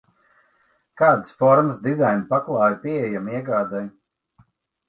Kādas formas dizaina paklāji pieejami iegādei?